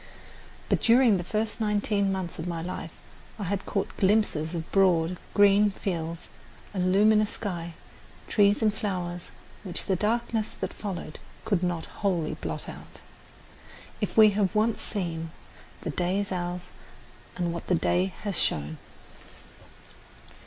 But during the first nineteen months of my life I had caught glimpses of broad, green fields, a luminous sky, trees and flowers which the darkness that followed could not wholly blot out. If we have once seen, "the day is ours, and what the day has shown."